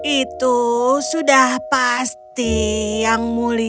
itu sudah pasti yang mulia